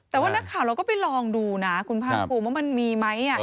แต่ว่านักข่าวเราก็ไปลองดูนะคุณภาคภูมิว่ามันมีไหม